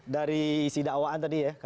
dari isi dakwaan dan dari penyampaian